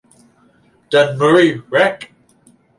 Dunmurry Rec.